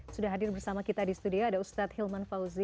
sudah hadir bersama kita di studio ada ustadz hilman fauzi